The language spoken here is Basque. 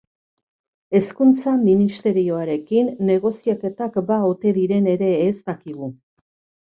Hezkuntza Ministerioarekin negoziaketak ba ote diren ere ez dakigu.